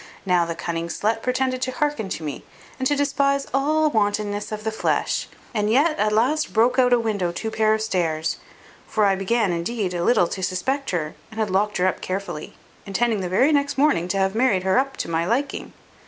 Nay, the cunning slut pretended to hearken to me, and to despise all wantonness of the flesh; and yet at last broke out at a window two pair of stairs: for I began, indeed, a little to suspect her, and had locked her up carefully, intending the very next morning to have married her up to my liking.